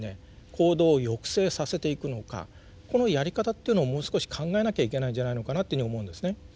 行動を抑制させていくのかこのやり方っていうのをもう少し考えなきゃいけないんじゃないのかなというふうに思うんですね。